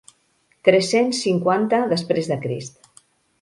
Tres-cents cinquanta després de Crist.